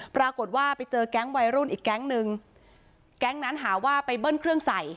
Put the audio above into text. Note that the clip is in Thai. ปรากฏว่าไปเจอแก๊งวัยรุ่นอีกแก๊งนึงแก๊งนั้นหาว่าไปเบิ้ลเครื่องใส่